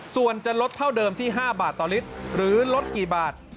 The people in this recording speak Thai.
ส่วนจะลดเท่าเดิมที่๕บาทต่อลิตรหรือลดกี่บาท